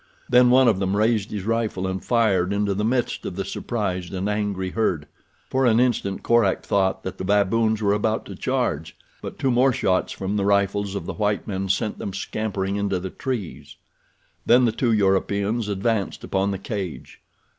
Then one of them raised his rifle and fired into the midst of the surprised and angry herd. For an instant Korak thought that the baboons were about to charge, but two more shots from the rifles of the white men sent them scampering into the trees. Then the two Europeans advanced upon the cage.